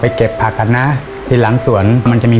ยังเหลือเวลาทำไส้กรอกล่วงได้เยอะเลยลูก